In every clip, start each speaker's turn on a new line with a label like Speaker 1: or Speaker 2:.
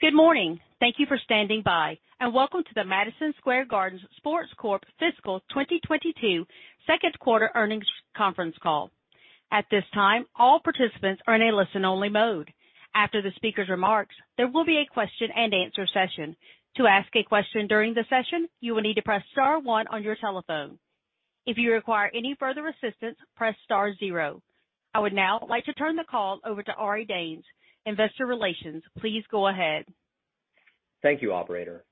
Speaker 1: Good morning. Thank you for standing by, and welcome to the Madison Square Garden Sports Corp. Fiscal 2022 Q2 earnings conference call. At this time, all participants are in a listen-only mode. After the speaker's remarks, there will be a question-and-answer session. To ask a question during the session, you will need to press star one on your telephone. If you require any further assistance, press star zero. I would now like to turn the call over to Ari Danes, Investor Relations. Please go ahead.
Speaker 2: Thank you, operator.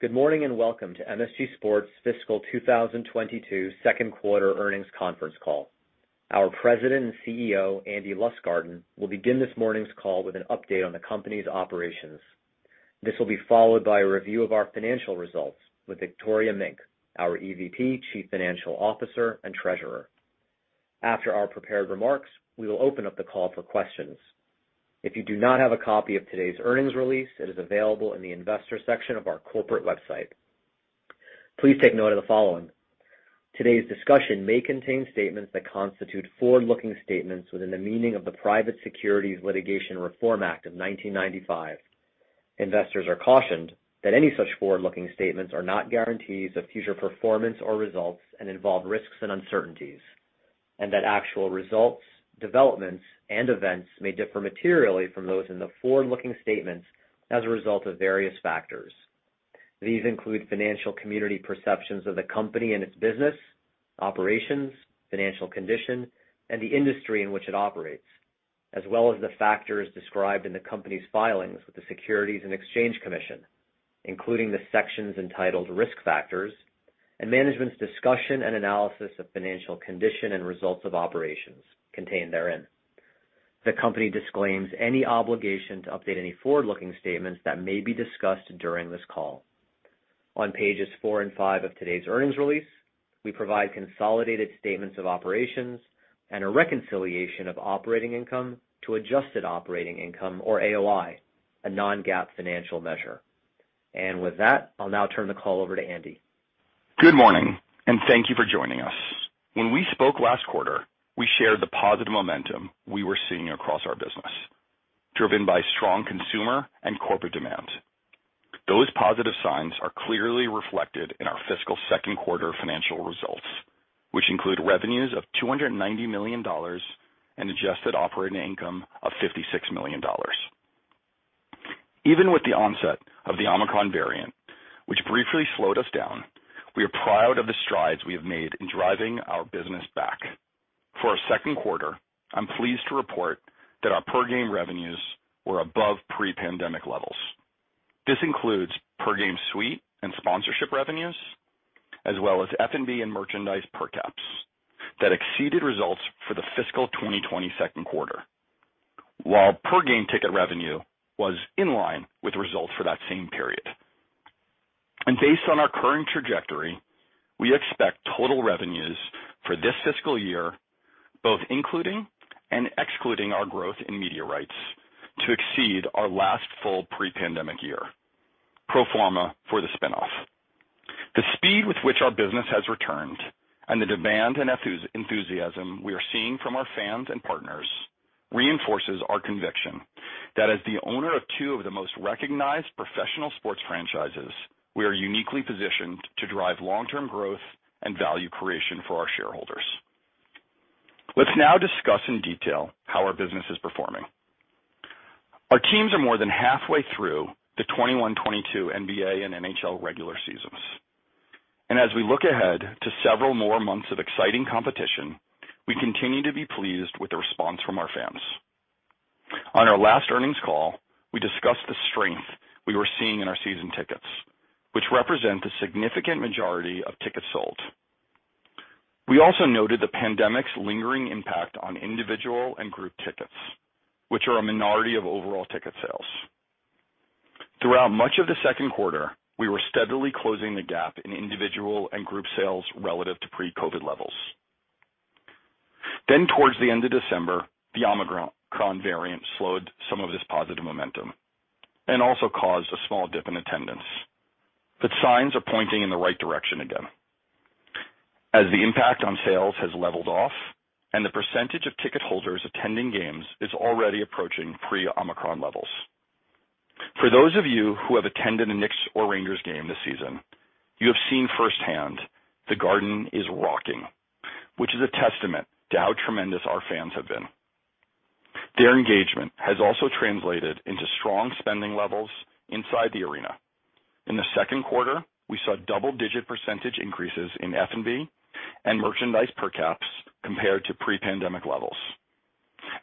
Speaker 2: Good morning and welcome to MSG Sports Fiscal 2022 Q2 earnings conference call. Our President and CEO, Andy Lustgarten, will begin this morning's call with an update on the company's operations. This will be followed by a review of our financial results with Victoria Mink, our EVP, Chief Financial Officer, and Treasurer. After our prepared remarks, we will open up the call for questions. If you do not have a copy of today's earnings release, it is available in the investor section of our corporate website. Please take note of the following. Today's discussion may contain statements that constitute forward-looking statements within the meaning of the Private Securities Litigation Reform Act of 1995. Investors are cautioned that any such forward-looking statements are not guarantees of future performance or results and involve risks and uncertainties, and that actual results, developments, and events may differ materially from those in the forward-looking statements as a result of various factors. These include financial community perceptions of the company and its business, operations, financial condition, and the industry in which it operates, as well as the factors described in the company's filings with the Securities and Exchange Commission, including the sections entitled Risk Factors and Management's Discussion and Analysis of Financial Condition and Results of Operations contained therein. The company disclaims any obligation to update any forward-looking statements that may be discussed during this call. On pages 4 and 5 of today's earnings release, we provide consolidated statements of operations and a reconciliation of operating income to adjusted operating income, or AOI, a non-GAAP financial measure. With that, I'll now turn the call over to Andy.
Speaker 3: Good morning, and thank you for joining us. When we spoke last quarter, we shared the positive momentum we were seeing across our business, driven by strong consumer and corporate demand. Those positive signs are clearly reflected in our fiscal Q2 financial results, which include revenues of $290 million and adjusted operating income of $56 million. Even with the onset of the Omicron variant, which briefly slowed us down, we are proud of the strides we have made in driving our business back. For our Q2, I'm pleased to report that our per-game revenues were above pre-pandemic levels. This includes per-game suite and sponsorship revenues, as well as F&B and merchandise per caps that exceeded results for the fiscal 2022 Q2, while per-game ticket revenue was in line with results for that same period. Based on our current trajectory, we expect total revenues for this fiscal year, both including and excluding our growth in media rights, to exceed our last full pre-pandemic year, pro forma for the spin-off. The speed with which our business has returned and the demand and enthusiasm we are seeing from our fans and partners reinforces our conviction that as the owner of two of the most recognized professional sports franchises, we are uniquely positioned to drive long-term growth and value creation for our shareholders. Let's now discuss in detail how our business is performing. Our teams are more than halfway through the 2021-22 NBA and NHL regular seasons. As we look ahead to several more months of exciting competition, we continue to be pleased with the response from our fans. On our last earnings call, we discussed the strength we were seeing in our season tickets, which represent the significant majority of tickets sold. We also noted the pandemic's lingering impact on individual and group tickets, which are a minority of overall ticket sales. Throughout much of the Q2, we were steadily closing the gap in individual and group sales relative to pre-COVID levels. Towards the end of December, the Omicron variant slowed some of this positive momentum and also caused a small dip in attendance. Signs are pointing in the right direction again. As the impact on sales has leveled off and the percentage of ticket holders attending games is already approaching pre-Omicron levels. For those of you who have attended a Knicks or Rangers game this season, you have seen firsthand the Garden is rocking, which is a testament to how tremendous our fans have been. Their engagement has also translated into strong spending levels inside the arena. In the Q2, we saw double-digit percentage increases in F&B and merchandise per caps compared to pre-pandemic levels.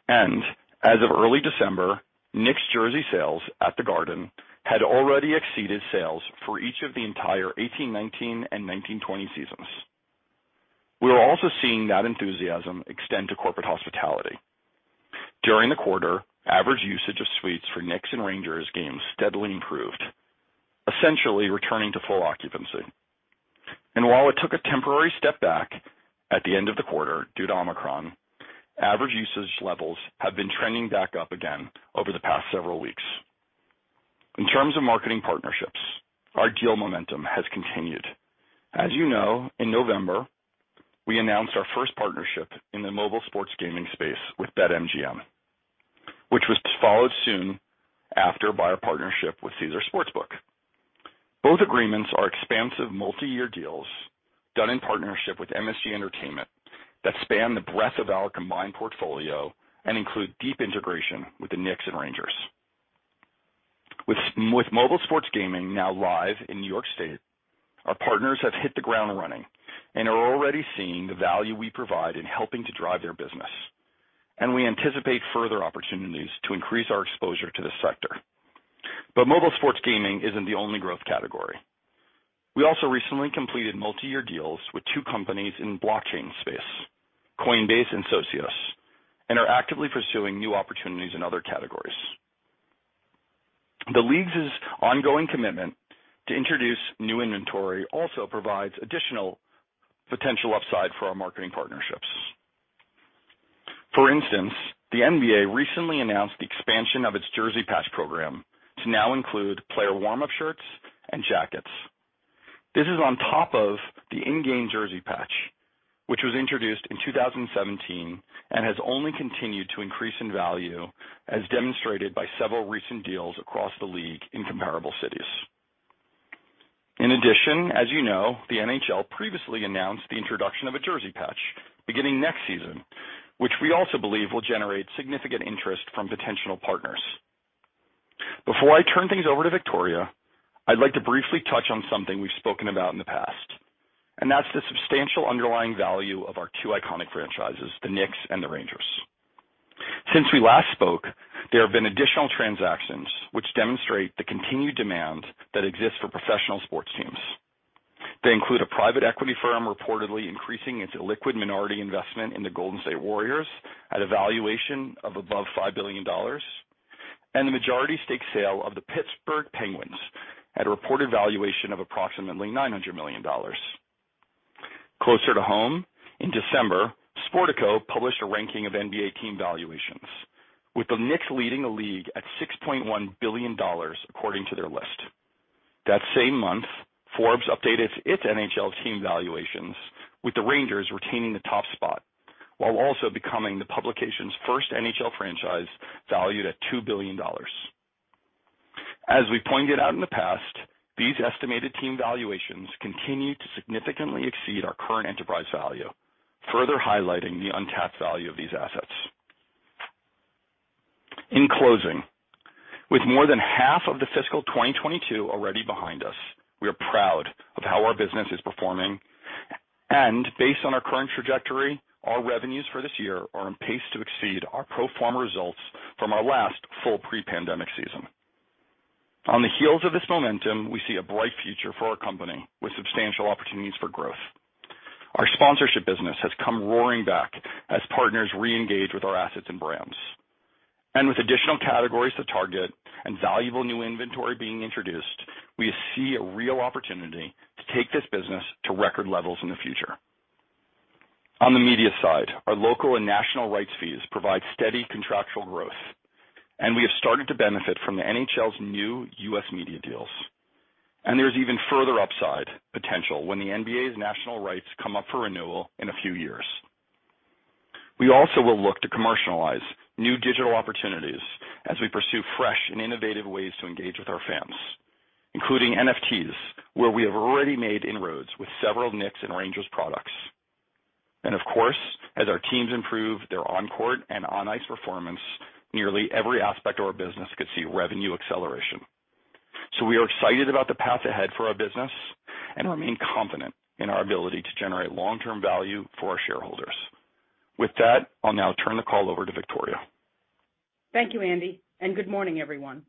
Speaker 3: As of early December, Knicks jersey sales at The Garden had already exceeded sales for each of the entire 18-19 and 19-20 seasons. We are also seeing that enthusiasm extend to corporate hospitality. During the quarter, average usage of suites for Knicks and Rangers games steadily improved, essentially returning to full occupancy. While it took a temporary step back at the end of the quarter due to Omicron, average usage levels have been trending back up again over the past several weeks. In terms of marketing partnerships, our deal momentum has continued. As you know, in November, we announced our first partnership in the mobile sports gaming space with BetMGM, which was followed soon after by our partnership with Caesars Sportsbook. Both agreements are expansive multi-year deals done in partnership with MSG Entertainment that span the breadth of our combined portfolio and include deep integration with the Knicks and Rangers. With mobile sports gaming now live in New York State, our partners have hit the ground running and are already seeing the value we provide in helping to drive their business, and we anticipate further opportunities to increase our exposure to this sector. Mobile sports gaming isn't the only growth category. We also recently completed multi-year deals with two companies in blockchain space, Coinbase and Socios, and are actively pursuing new opportunities in other categories. The leagues' ongoing commitment to introduce new inventory also provides additional potential upside for our marketing partnerships. For instance, the NBA recently announced the expansion of its jersey patch program to now include player warm-up shirts and jackets. This is on top of the in-game jersey patch, which was introduced in 2017 and has only continued to increase in value, as demonstrated by several recent deals across the league in comparable cities. In addition, as you know, the NHL previously announced the introduction of a jersey patch beginning next season, which we also believe will generate significant interest from potential partners. Before I turn things over to Victoria, I'd like to briefly touch on something we've spoken about in the past, and that's the substantial underlying value of our two iconic franchises, the Knicks and the Rangers. Since we last spoke, there have been additional transactions which demonstrate the continued demand that exists for professional sports teams. They include a private equity firm reportedly increasing its liquid minority investment in the Golden State Warriors at a valuation of above $5 billion, and the majority stake sale of the Pittsburgh Penguins at a reported valuation of approximately $900 million. Closer to home, in December, Sportico published a ranking of NBA team valuations, with the Knicks leading the league at $6.1 billion, according to their list. That same month, Forbes updated its NHL team valuations, with the Rangers retaining the top spot while also becoming the publication's first NHL franchise valued at $2 billion. As we pointed out in the past, these estimated team valuations continue to significantly exceed our current enterprise value, further highlighting the untapped value of these assets. In closing, with more than half of the fiscal 2022 already behind us, we are proud of how our business is performing. Based on our current trajectory, our revenues for this year are on pace to exceed our pro forma results from our last full pre-pandemic season. On the heels of this momentum, we see a bright future for our company with substantial opportunities for growth. Our sponsorship business has come roaring back as partners reengage with our assets and brands. Additional, Categories to target and valuable new inventory being introduced, we see a real opportunity to take this business to record levels in the future. On the media side, our local and national rights fees provide steady contractual growth, and we have started to benefit from the NHL's new U.S. media deals. There's even further upside potential when the NBA's national rights come up for renewal in a few years. We also will look to commercialize new digital opportunities as we pursue fresh and innovative ways to engage with our fans, including NFTs, where we have already made inroads with several Knicks and Rangers products. Of course, as our teams improve their on-court and on-ice performance, nearly every aspect of our business could see revenue acceleration. We are excited about the path ahead for our business and remain confident in our ability to generate long-term value for our shareholders. With that, I'll now turn the call over to Victoria.
Speaker 4: Thank you, Andy, and good morning, everyone.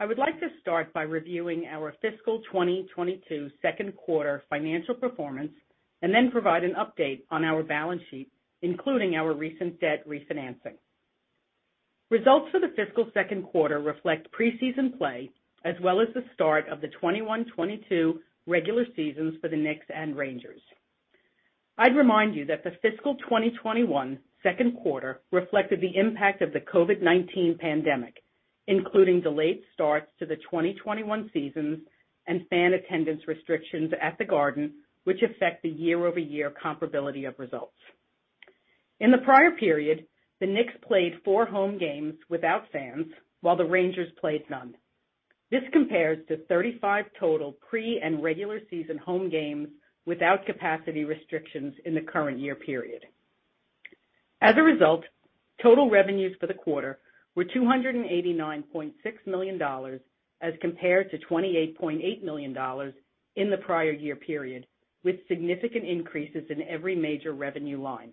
Speaker 4: I would like to start by reviewing our fiscal 2022 Q2 financial performance and then provide an update on our balance sheet, including our recent debt refinancing. Results for the fiscal Q2 reflect preseason play as well as the start of the 2021-22 regular seasons for the Knicks and Rangers. I'd remind you that the fiscal 2021 Q2 reflected the impact of the COVID-19 pandemic, including delayed starts to the 2021 seasons and fan attendance restrictions at The Garden, which affect the year-over-year comparability of results. In the prior period, the Knicks played 4 home games without fans, while the Rangers played none. This compares to 35 total pre and regular season home games without capacity restrictions in the current year period. As a result, total revenues for the quarter were $289.6 million, as compared to $28.8 million in the prior year period, with significant increases in every major revenue line.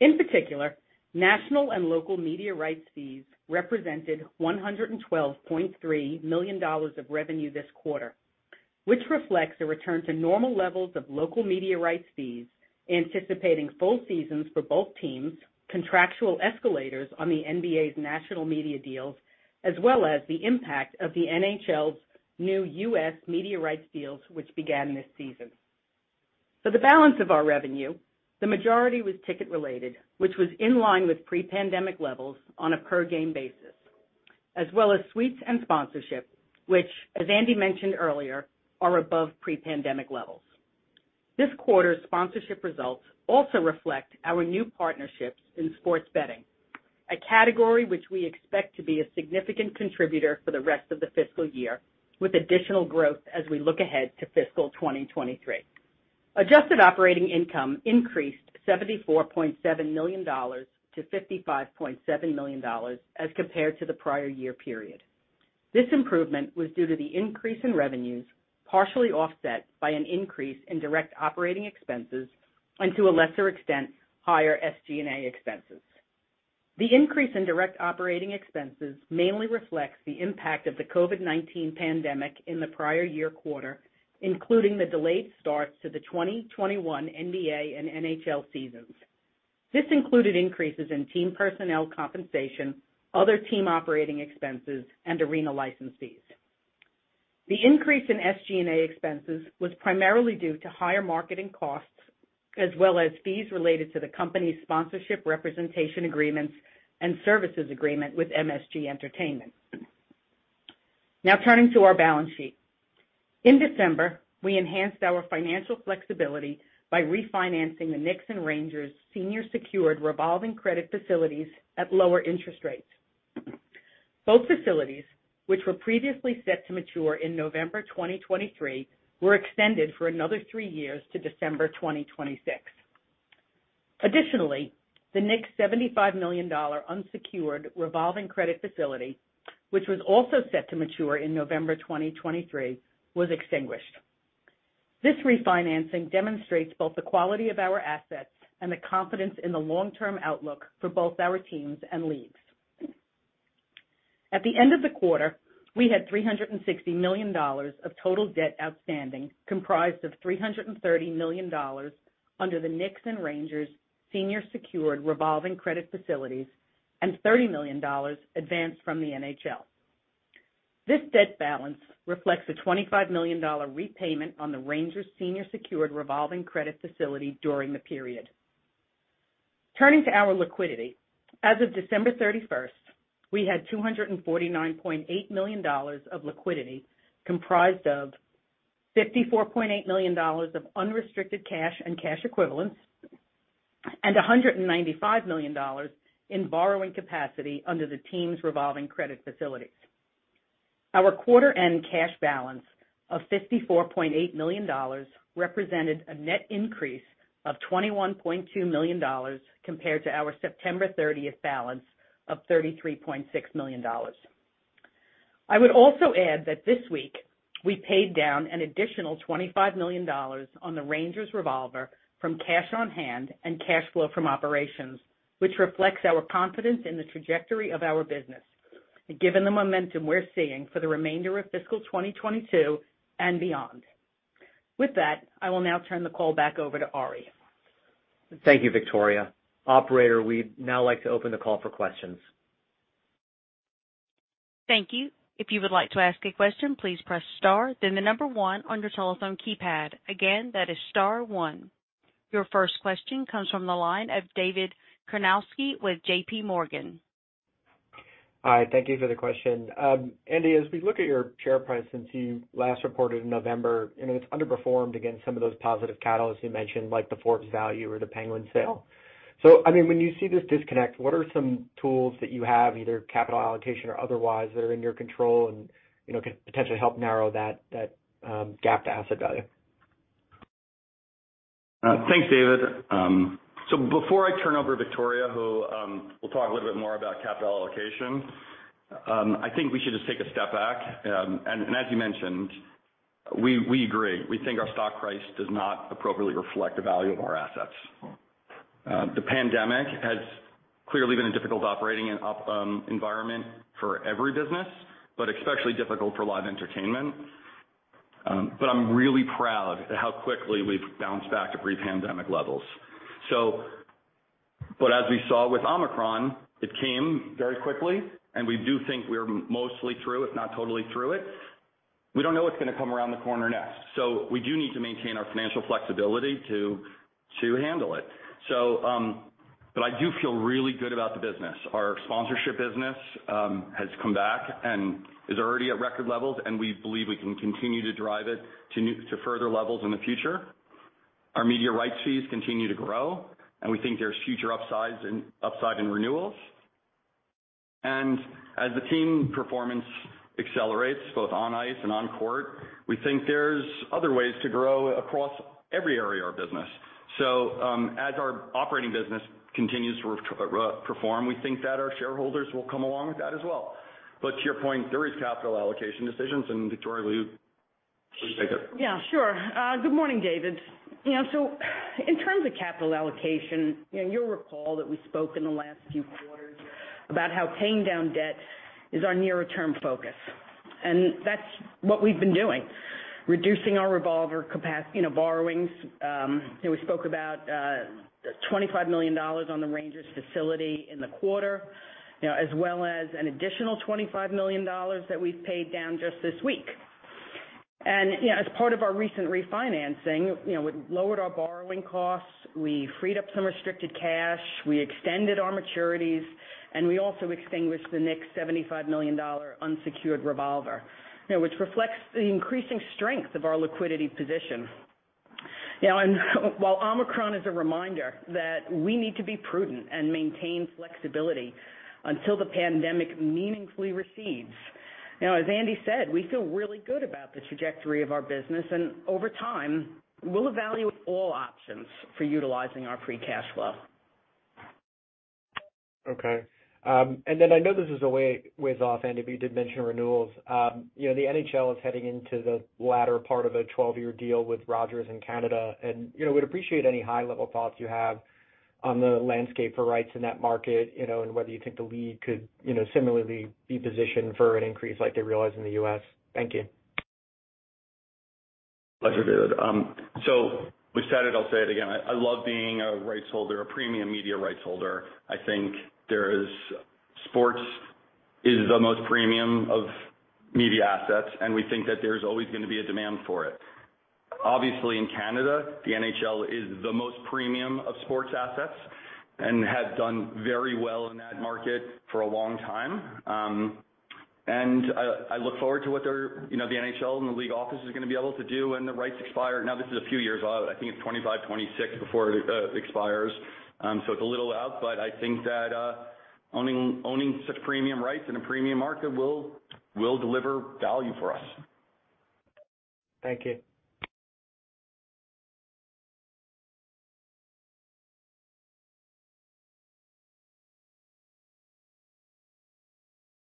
Speaker 4: In particular, national and local media rights fees represented $112.3 million of revenue this quarter, which reflects a return to normal levels of local media rights fees, anticipating full seasons for both teams, contractual escalators on the NBA's national media deals, as well as the impact of the NHL's new U.S. media rights deals, which began this season. For the balance of our revenue, the majority was ticket related, which was in line with pre-pandemic levels on a per game basis, as well as suites and sponsorship, which, as Andy mentioned earlier, are above pre-pandemic levels. This quarter's sponsorship results also reflect our new partnerships in sports betting, a category which we expect to be a significant contributor for the rest of the fiscal year, with additional growth as we look ahead to fiscal 2023. Adjusted operating income increased $74.7 million to $55.7 million as compared to the prior year period. This improvement was due to the increase in revenues, partially offset by an increase in direct operating expenses and to a lesser extent, higher SG&A expenses. The increase in direct operating expenses mainly reflects the impact of the COVID-19 pandemic in the prior year quarter, including the delayed start to the 2021 NBA and NHL seasons. This included increases in team personnel compensation, other team operating expenses, and arena license fees. The increase in SG&A expenses was primarily due to higher marketing costs as well as fees related to the company's sponsorship representation agreements and services agreement with MSG Entertainment. Now turning to our balance sheet. In December, we enhanced our financial flexibility by refinancing the Knicks and Rangers senior secured revolving credit facilities at lower interest rates. Both facilities, which were previously set to mature in November 2023, were extended for another three years to December 2026. Additionally, the Knicks' $75 million unsecured revolving credit facility, which was also set to mature in November 2023, was extinguished. This refinancing demonstrates both the quality of our assets and the confidence in the long-term outlook for both our teams and leagues. At the end of the quarter, we had $360 million of total debt outstanding, comprised of $330 million under the Knicks and Rangers senior secured revolving credit facilities and $30 million advanced from the NHL. This debt balance reflects a $25 million dollar repayment on the Rangers senior secured revolving credit facility during the period. Turning to our liquidity. As of December 31st, we had $249.8 million of liquidity, comprised of $54.8 million of unrestricted cash and cash equivalents and $195 million in borrowing capacity under the team's revolving credit facilities. Our quarter-end cash balance of $54.8 million represented a net increase of $21.2 million compared to our September 30 balance of $33.6 million. I would also add that this week we paid down an additional $25 million on the Rangers revolver from cash on hand and cash flow from operations, which reflects our confidence in the trajectory of our business, given the momentum we're seeing for the remainder of fiscal 2022 and beyond. With that, I will now turn the call back over to Ari.
Speaker 2: Thank you, Victoria. Operator, we'd now like to open the call for questions.
Speaker 1: Thank you. If you could like to to ask a question please press star the number on the cellphone keypad, and again that is star one. Your first question comes from the line of David Karnovsky with JPMorgan.
Speaker 5: Hi. Thank you for the question. Andy, as we look at your share price since you last reported in November, and it's underperformed against some of those positive catalysts you mentioned, like the Forbes value or the Penguins sale. I mean, when you see this disconnect, what are some tools that you have, either capital allocation or otherwise, that are in your control and, you know, could potentially help narrow that gap to asset value?
Speaker 3: Thanks, David. Before I turn over to Victoria, who will talk a little bit more about capital allocation, I think we should just take a step back. As you mentioned, we agree. We think our stock price does not appropriately reflect the value of our assets. The pandemic has clearly been a difficult operating environment for every business, but especially difficult for live entertainment. I'm really proud at how quickly we've bounced back to pre-pandemic levels. As we saw with Omicron, it came very quickly, and we do think we're mostly through, if not totally through it. We don't know what's gonna come around the corner next. We do need to maintain our financial flexibility to handle it. I do feel really good about the business. Our sponsorship business has come back and is already at record levels, and we believe we can continue to drive it to further levels in the future. Our media rights fees continue to grow, and we think there's future upside in renewals. As the team performance accelerates, both on ice and on court, we think there's other ways to grow across every area of our business. As our operating business continues to perform, we think that our shareholders will come along with that as well. To your point, there is capital allocation decisions, and Victoria will you please take it.
Speaker 4: Yeah, sure. Good morning, David. You know, in terms of capital allocation, you know, you'll recall that we spoke in the last few quarters about how paying down debt is our near-term focus. That's what we've been doing, reducing our revolver borrowings. You know, we spoke about $25 million on the Rangers facility in the quarter. You know, as well as an additional $25 million that we've paid down just this week. You know, as part of our recent refinancing, you know, we lowered our borrowing costs, we freed up some restricted cash, we extended our maturities, and we also extinguished the next $75 million unsecured revolver. You know, which reflects the increasing strength of our liquidity position. Now, while Omicron is a reminder that we need to be prudent and maintain flexibility until the pandemic meaningfully recedes. Now, as Andy said, we feel really good about the trajectory of our business, and over time, we'll evaluate all options for utilizing our free cash flow.
Speaker 5: Okay. I know this is a ways off, Andy, but you did mention renewals. You know the NHL is heading into the latter part of a twelve-year deal with Rogers in Canada and, you know, we'd appreciate any high level thoughts you have on the landscape for rights in that market, you know, and whether you think the league could, you know, similarly be positioned for an increase like they realize in the U.S. Thank you.
Speaker 3: Pleasure, David. So we said it, I'll say it again. I love being a rights holder, a premium media rights holder. I think there is. Sports is the most premium of media assets, and we think that there's always going to be a demand for it. Obviously, in Canada, the NHL is the most premium of sports assets and has done very well in that market for a long time. I look forward to what they're, you know, the NHL and the league office is going to be able to do when the rights expire. Now, this is a few years out. I think it's 2025, 2026 before it expires. So it's a little out, but I think that owning such premium rights in a premium market will deliver value for us.
Speaker 5: Thank you.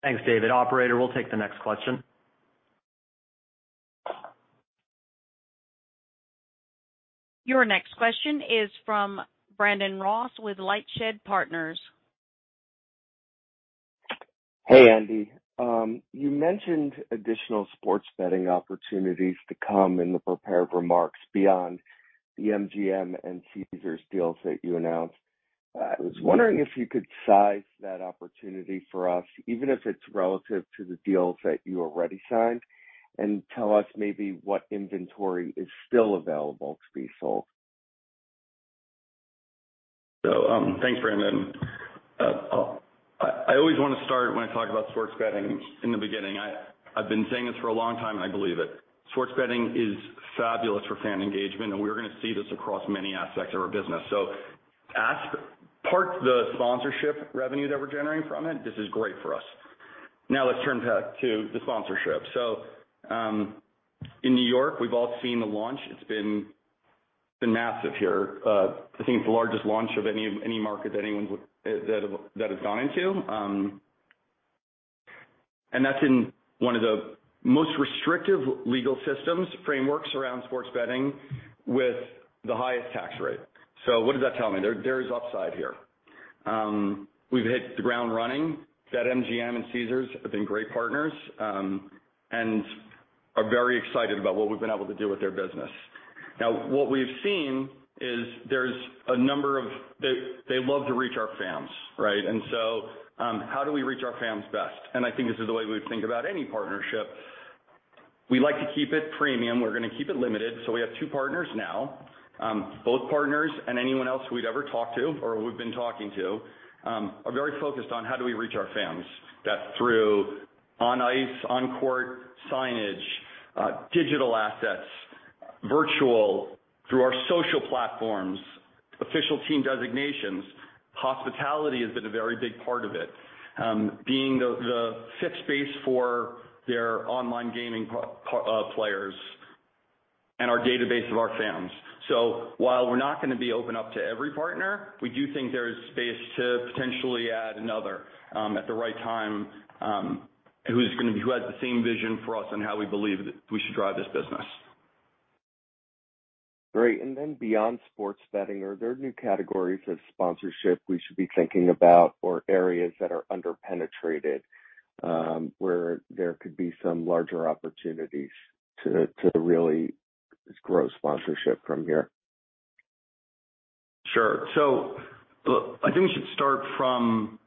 Speaker 3: Thanks, David. Operator, we'll take the next question.
Speaker 1: Your next question is from Brandon Ross with LightShed Partners.
Speaker 6: Hey, Andy. You mentioned additional sports betting opportunities to come in the prepared remarks beyond the MGM and Caesars deals that you announced. I was wondering if you could size that opportunity for us, even if it's relative to the deals that you already signed, and tell us maybe what inventory is still available to be sold?
Speaker 3: Thanks, Brandon. I always want to start when I talk about sports betting in the beginning. I've been saying this for a long time, and I believe it. Sports betting is fabulous for fan engagement, and we're going to see this across many aspects of our business. As part of the sponsorship revenue that we're generating from it, this is great for us. Now let's turn back to the sponsorship. So, In New York, we've all seen the launch. It's been massive here. I think it's the largest launch of any market that anyone has gone into, and that's in one of the most restrictive legal systems frameworks around sports betting with the highest tax rate. What does that tell me? There is upside here. We've hit the ground running with BetMGM and Caesars have been great partners, and are very excited about what we've been able to do with their business. Now, what we've seen is they love to reach our fans, right? How do we reach our fans best? I think this is the way we think about any partnership. We like to keep it premium. We're going to keep it limited. We have two partners now. Both partners and anyone else we'd ever talk to or we've been talking to are very focused on how do we reach our fans. That's through on ice, on court signage, digital assets, virtual, through our social platforms, official team designations. Hospitality has been a very big part of it. Being the fifth space for their online gaming platform players and our database of our fans. While we're not going to open up to every partner, we do think there is space to potentially add another at the right time, who has the same vision for us and how we believe we should drive this business.
Speaker 6: Great. Beyond sports betting, are there new categories of sponsorship we should be thinking about or areas that are under-penetrated, where there could be some larger opportunities to really grow sponsorship from here?
Speaker 3: Sure. Look, I think we should start from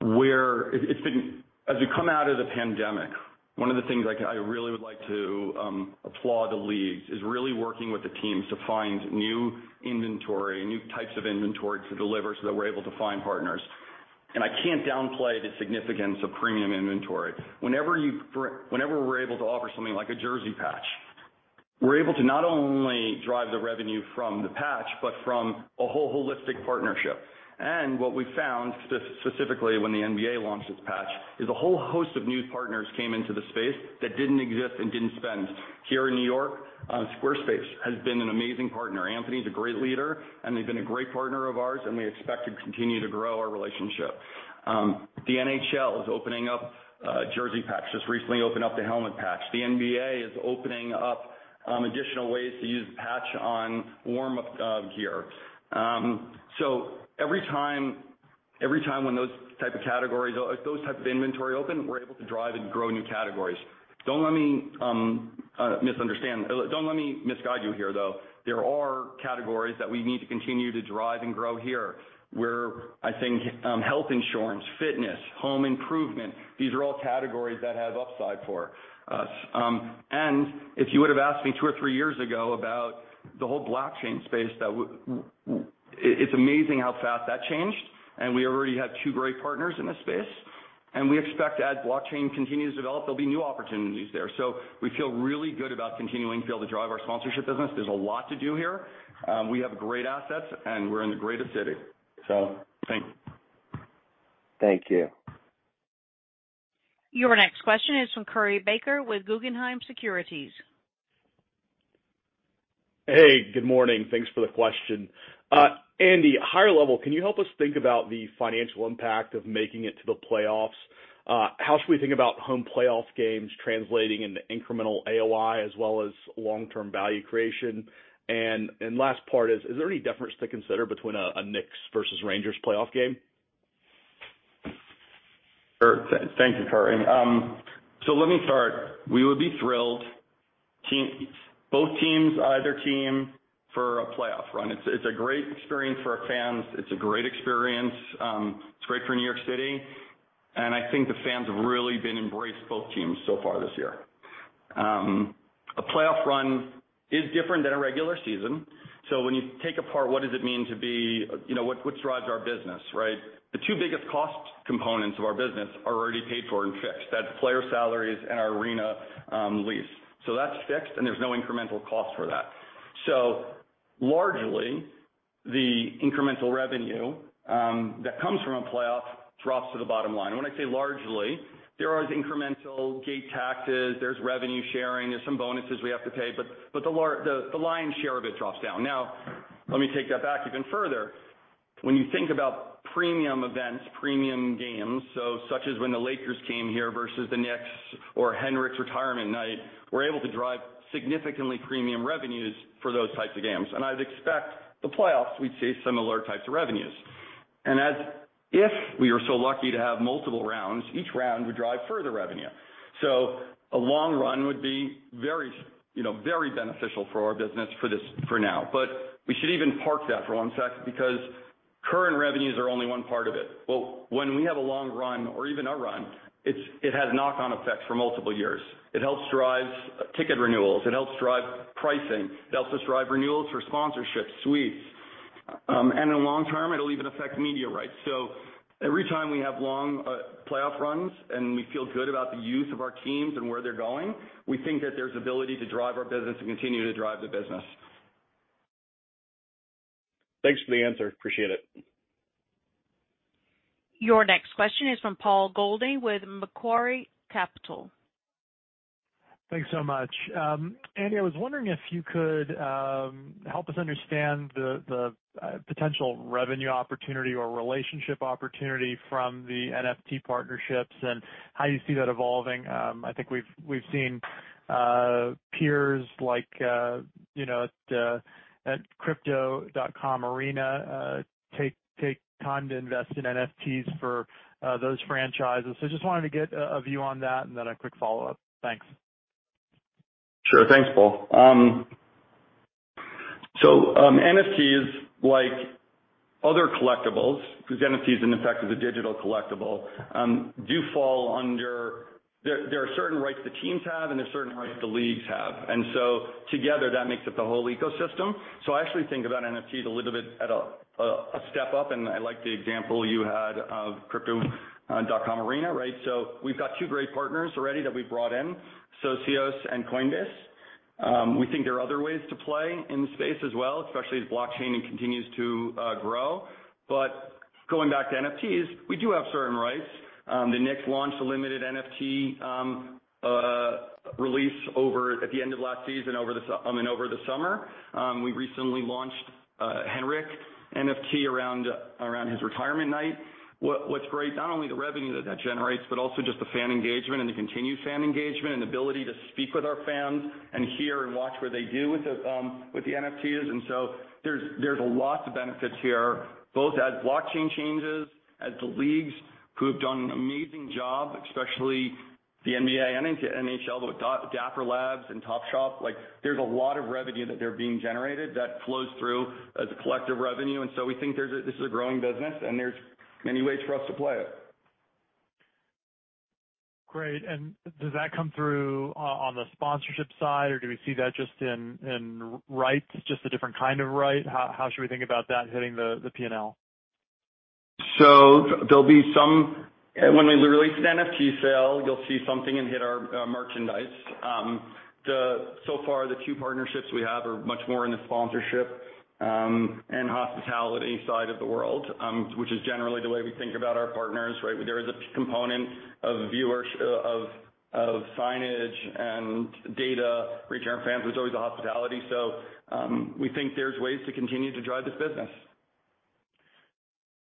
Speaker 3: where it's been. As we come out of the pandemic, one of the things I really would like to applaud is the leagues really working with the teams to find new inventory, new types of inventory to deliver so that we're able to find partners. I can't downplay the significance of premium inventory. Whenever we're able to offer something like a jersey patch, we're able to not only drive the revenue from the patch, but from a whole holistic partnership. What we found specifically when the NBA launched its patch is a whole host of new partners came into the space that didn't exist and didn't spend. Here in New York, Squarespace has been an amazing partner. Anthony is a great leader, and they've been a great partner of ours, and we expect to continue to grow our relationship. The NHL is opening up jersey patch, just recently opened up the helmet patch. The NBA is opening up additional ways to use patch on warm up gear. Every time when those type of categories or those type of inventory open, we're able to drive and grow new categories. Don't let me misunderstand. Don't let me misguide you here, though. There are categories that we need to continue to drive and grow here, where I think health insurance, fitness, home improvement, these are all categories that have upside for us. If you would have asked me two or three years ago about the whole blockchain space it's amazing how fast that changed. We already have two great partners in this space, and we expect as blockchain continues to develop, there'll be new opportunities there. We feel really good about continuing to be able to drive our sponsorship business. There's a lot to do here. We have great assets, and we're in the greatest city. Thank you.
Speaker 6: Thank you.
Speaker 1: Your next question is from Curry Baker with Guggenheim Securities.
Speaker 7: Hey, good morning. Thanks for the question. Andy, higher level, can you help us think about the financial impact of making it to the playoffs? How should we think about home playoff games translating into incremental AOI as well as long-term value creation? And last part is there any difference to consider between a Knicks versus Rangers playoff game?
Speaker 3: Sure. Thank you, Curry. Let me start. We would be thrilled, both teams, either team for a playoff run. It's a great experience for our fans. It's a great experience, it's great for New York City, and I think the fans have really embraced both teams so far this year. A playoff run is different than a regular season. When you break down what it means, you know, what drives our business, right? The two biggest cost components of our business are already paid for and fixed. That's player salaries and our arena lease. That's fixed, and there's no incremental cost for that. Largely, the incremental revenue that comes from playoffs drops to the bottom line. When I say largely, there are incremental gate taxes, there's revenue sharing, there's some bonuses we have to pay, but the lion's share of it drops down. Now, let me take that back even further. When you think about premium events, premium games, such as when the Lakers came here versus the Knicks or Henrik's retirement night. We're able to drive significantly premium revenues for those types of games. I'd expect the playoffs, we'd see similar types of revenues. If we are so lucky to have multiple rounds, each round would drive further revenue. A long run would be very, you know, very beneficial for our business for now. We should even park that for one sec because current revenues are only one part of it. Well, when we have a long run or even a run, it has knock-on effects for multiple years. It helps drive ticket renewals, it helps drive pricing, it helps us drive renewals for sponsorships, suites. In the long term, it'll even affect media rights. Every time we have long playoff runs and we feel good about the youth of our teams and where they're going, we think that there's ability to drive our business and continue to drive the business.
Speaker 7: Thanks for the answer. Appreciate it.
Speaker 1: Your next question is from Paul Golding with Macquarie Capital.
Speaker 8: Thanks so much. Andy, I was wondering if you could help us understand the potential revenue opportunity or relationship opportunity from the NFT partnerships and how you see that evolving. I think we've seen peers like you know at Crypto.com Arena take time to invest in NFTs for those franchises. I just wanted to get a view on that, and then a quick follow-up. Thanks.
Speaker 3: Sure. Thanks, Paul. NFTs, like other collectibles, because NFT is in effect a digital collectible, do fall under. There are certain rights the teams have and there are certain rights the leagues have. Together that makes up the whole ecosystem. I actually think about NFTs a little bit at a step up, and I like the example you had of Crypto.com Arena, right? We've got two great partners already that we brought in, Socios and Coinbase. We think there are other ways to play in the space as well, especially as blockchain continues to grow. Going back to NFTs, we do have certain rights. The Knicks launched a limited NFT release at the end of last season and over the summer. We recently launched Henrik NFT around his retirement night. What's great, not only the revenue that generates, but also just the fan engagement and the continued fan engagement and ability to speak with our fans and hear and watch what they do with the NFTs. There's a lot of benefits here, both as blockchain changes, as the leagues who have done an amazing job, especially the NBA and NHL with Dapper Labs and Top Shot. Like, there's a lot of revenue that's being generated that flows through as a collective revenue. We think this is a growing business, and there's many ways for us to play it.
Speaker 8: Great. Does that come through on the sponsorship side, or do we see that just in rights, just a different kind of right? How should we think about that hitting the P&L?
Speaker 3: There'll be some when we release the NFT sale, you'll see something and hit our merchandise. So far, the two partnerships we have are much more in the sponsorship and hospitality side of the world, which is generally the way we think about our partners, right? There is a component of signage and data reaching our fans. There's always the hospitality. We think there's ways to continue to drive this business.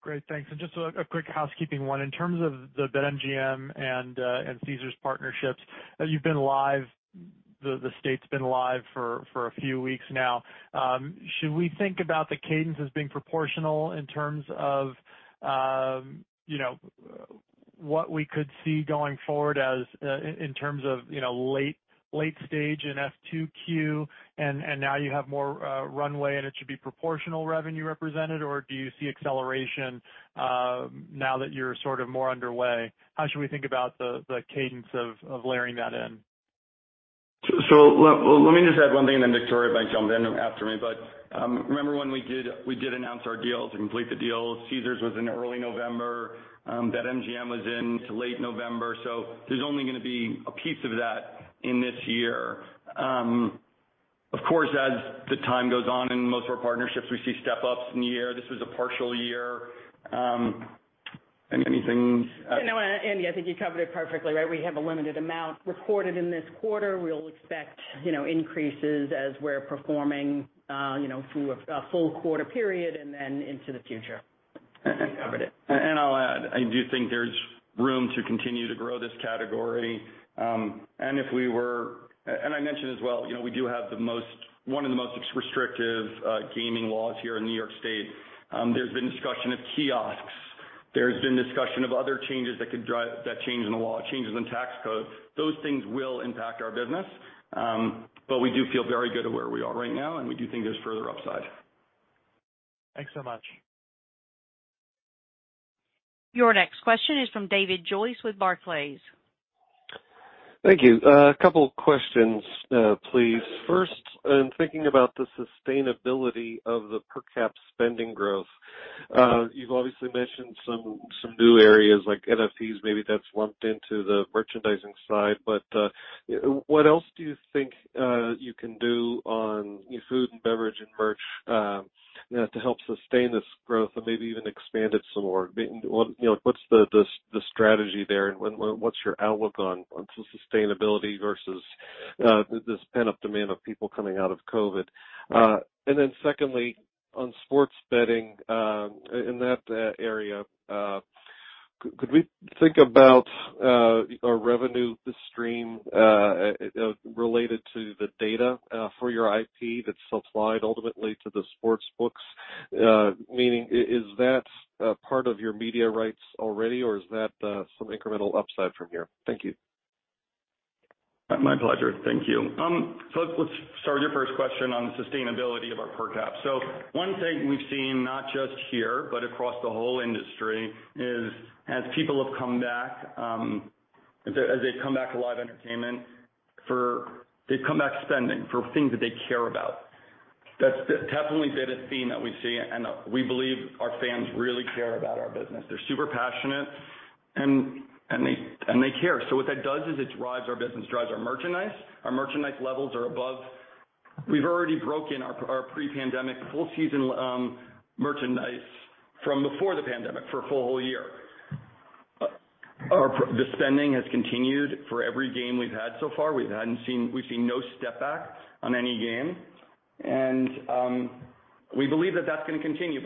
Speaker 8: Great. Thanks. Just a quick housekeeping one. In terms of the BetMGM and Caesars partnerships, you've been live. The state's been live for a few weeks now. Should we think about the cadence as being proportional in terms of what we could see going forward as in terms of you know late stage in F2Q, now you have more runway and it should be proportional revenue represented? Or do you see acceleration now that you're sort of more underway? How should we think about the cadence of layering that in?
Speaker 3: Well, let me just add one thing and then Victoria might jump in after me. Remember when we did announce our deals and complete the deals. Caesars was in early November. BetMGM was in late November. There's only gonna be a piece of that in this year. Of course, as the time goes on in most of our partnerships, we see step-ups in the year. This was a partial year. Anything.
Speaker 4: You know, Andy, I think you covered it perfectly, right? We have a limited amount recorded in this quarter. We'll expect, you know, increases as we're performing, you know, through a full quarter period and then into the future.
Speaker 3: I do think there's room to continue to grow this category. I mentioned as well, you know, we do have one of the most restrictive gaming laws here in New York State. There's been discussion of kiosks. There's been discussion of other changes that could drive that change in the law, changes in tax code. Those things will impact our business. We do feel very good at where we are right now, and we do think there's further upside.
Speaker 8: Thanks so much.
Speaker 1: Your next question is from David Joyce with Barclays.
Speaker 9: Thank you. A couple questions, please. First, in thinking about the sustainability of the per cap spending growth, you've obviously mentioned some new areas like NFTs, maybe that's lumped into the merchandising side but, What else do you think you can do on food and beverage and merch to help sustain this growth and maybe even expand it some more? You know, what's the strategy there, and what's your outlook on sustainability versus this pent-up demand of people coming out of COVID? Then secondly, on sports betting, in that area, could we think about a revenue stream related to the data for your IP that's supplied ultimately to the sports books? Meaning is that part of your media rights already, or is that some incremental upside from here? Thank you.
Speaker 3: My pleasure. Thank you. Let's start with your first question on the sustainability of our per cap. One thing we've seen not just here, but across the whole industry, is as people have come back, as they've come back to live entertainment. They've come back spending for things that they care about. That's definitely been a theme that we see, and we believe our fans really care about our business. They're super passionate, and they care. What that does is it drives our business, drives our merchandise. Our merchandise levels are above. We've already broken our pre-pandemic full season merchandise from before the pandemic for a full whole year. The spending has continued for every game we've had so far. We've seen no step back on any game. We believe that that's gonna continue.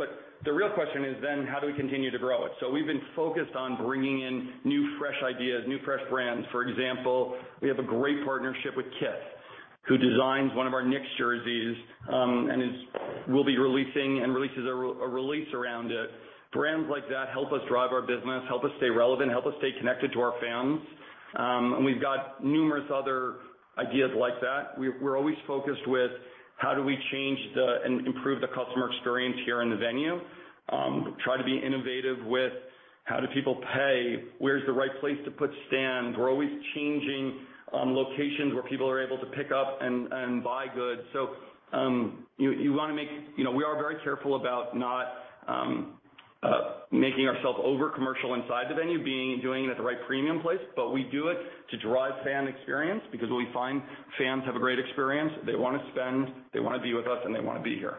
Speaker 3: The real question is then how do we continue to grow it? We've been focused on bringing in new, fresh ideas, new, fresh brands. For example, we have a great partnership with Kith, who designs one of our Knicks jerseys, and will be releasing and releases a release around it. Brands like that help us drive our business, help us stay relevant, help us stay connected to our fans. We've got numerous other ideas like that. We're always focused with how do we change and improve the customer experience here in the venue, try to be innovative with how do people pay, where's the right place to put stands. We're always changing locations where people are able to pick up and buy goods. You wanna make, We are very careful about not making ourselves overly commercial inside the venue, doing it at the right premium place. We do it to drive fan experience because when we find fans have a great experience, they wanna spend, they wanna be with us, and they wanna be here.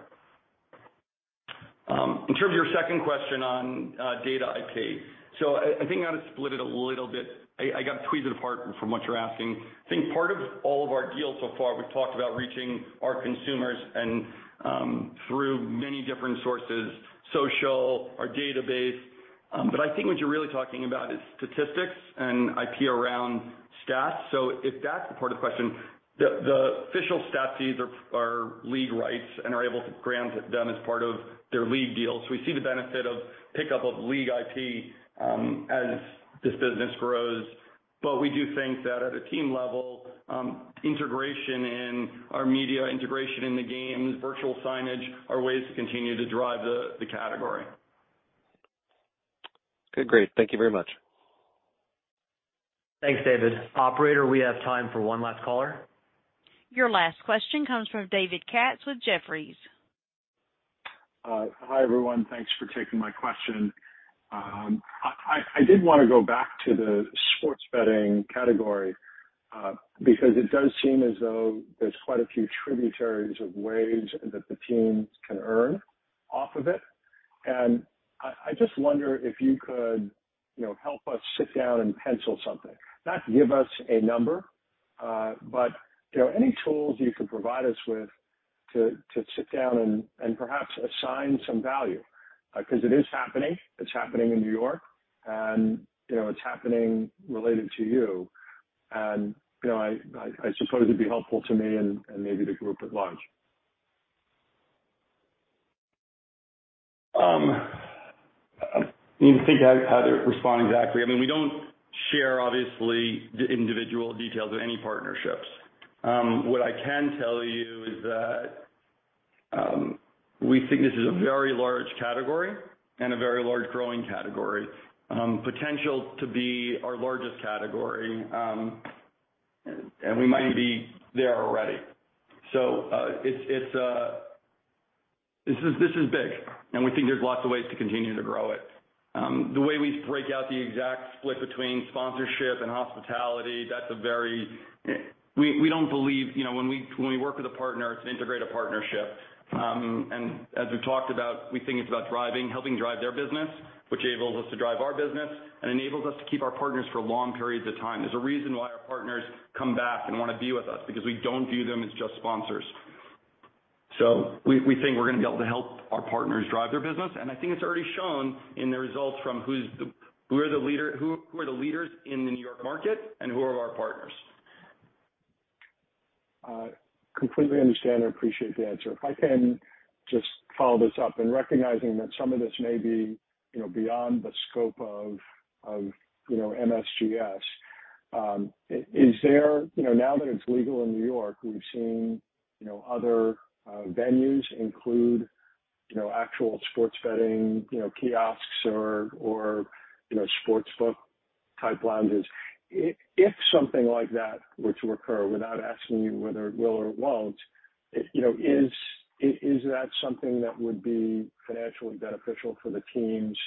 Speaker 3: In terms of your second question on data IP, I think I'm gonna split it a little bit. I gotta tease it apart from what you're asking. I think part of all of our deals so far, we've talked about reaching our consumers and through many different sources, social, our database. I think what you're really talking about is statistics and IP around stats. If that's the part of the question, the official stats feeds are league rights and are able to grant them as part of their league deals. We see the benefit of pickup of league IP as this business grows. We do think that at a team level, integration in our media, integration in the games, virtual signage are ways to continue to drive the category.
Speaker 9: Okay, great. Thank you very much.
Speaker 2: Thanks, David. Operator, we have time for one last caller.
Speaker 1: Your last question comes from David Katz with Jefferies.
Speaker 10: Hi, everyone. Thanks for taking my question. I did wanna go back to the sports betting category, because it does seem as though there's quite a few tributaries of ways that the teams can earn off of it. I just wonder if you could, you know, help us sit down and pencil something. Not to give us a number, but, you know, any tools you can provide us with to sit down and perhaps assign some value. 'Cause it is happening. It's happening in New York, and, you know, it's happening related to you. You know, I suppose it'd be helpful to me and maybe the group at large.
Speaker 3: I need to think how to respond exactly. I mean, we don't share, obviously the individual details of any partnerships. What I can tell you is that, we think this is a very large category and a very large growing category. Potential to be our largest category, and we might be there already. This is big, and we think there's lots of ways to continue to grow it. The way we break out the exact split between sponsorship and hospitality, we don't believe, you know, when we work with a partner, it's an integrated partnership. As we've talked about, we think it's about helping drive their business, which enables us to drive our business and enables us to keep our partners for long periods of time. There's a reason why our partners come back and wanna be with us, because we don't view them as just sponsors. We think we're gonna be able to help our partners drive their business, and I think it's already shown in the results from who are the leaders in the New York market and who are our partners.
Speaker 10: I completely understand and appreciate the answer. If I can just follow this up, and recognizing that some of this may be, you know, beyond the scope of MSGS, you know, now that it's legal in New York, we've seen, you know, other venues include, you know, actual sports betting, you know, kiosks or, you know, sports book type lounges. If something like that were to occur, without asking you whether it will or it won't, you know, is that something that would be financially beneficial for the teams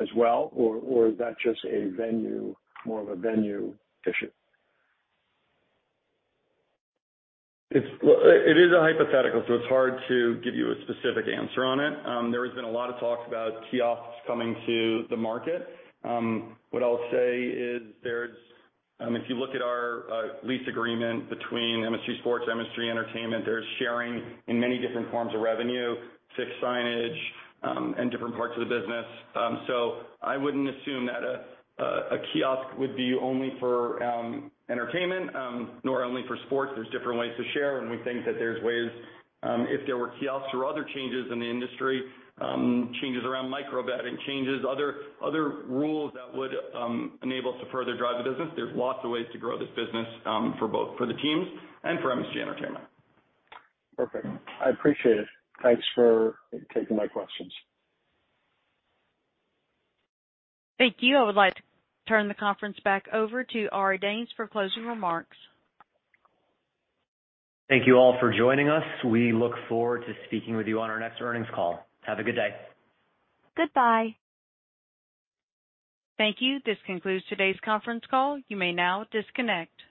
Speaker 10: as well, or is that just a venue, more of a venue issue?
Speaker 3: Well, it is a hypothetical, so it's hard to give you a specific answer on it. There has been a lot of talks about kiosks coming to the market. What I'll say is there's if you look at our lease agreement between MSG Sports, MSG Entertainment, there's sharing in many different forms of revenue, suite signage, and different parts of the business. So I wouldn't assume that a kiosk would be only for entertainment nor only for sports. There's different ways to share, and we think that there's ways if there were kiosks or other changes in the industry, changes around micro betting, other rules that would enable us to further drive the business. There's lots of ways to grow this business for both the teams and for MSG Entertainment.
Speaker 10: Perfect. I appreciate it. Thanks for taking my questions.
Speaker 1: Thank you. I would like to turn the conference back over to Ari Danes for closing remarks.
Speaker 3: Thank you all for joining us. We look forward to speaking with you on our next earnings call. Have a good day.
Speaker 1: Goodbye. Thank you. This concludes today's conference call. You may now disconnect.